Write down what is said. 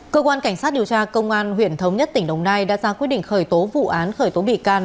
cơ quan cảnh sát điều tra công an huyện thống nhất tỉnh đồng nai đã ra quyết định khởi tố vụ án khởi tố bị can